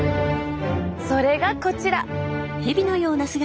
それがこちら！